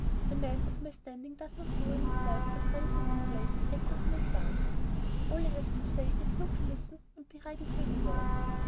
A man of my standing does not lower himself by praising his plays and actors in advance. All I have to say is look, listen, and be ready to applaud."